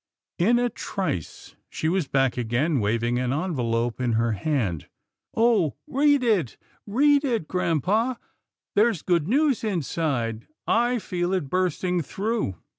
In a trice, she was back again, waving an envelope in her hand. " Oh ! read it, read it, grampa, there's good news inside. I feel it burst ing through."